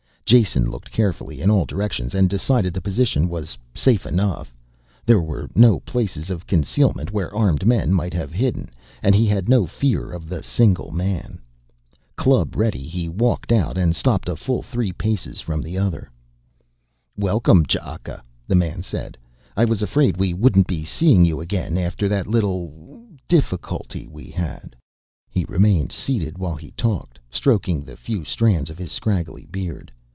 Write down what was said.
Jason looked carefully in all directions and decided the position was safe enough. There were no places of concealment where armed men might have hidden and he had no fear of the single man. Club ready he walked out and stopped a full three paces from the other. "Welcome, Ch'aka," the man said. "I was afraid we wouldn't be seeing you again after that little ... difficulty we had." He remained seated while he talked, stroking the few strands of his scraggly beard.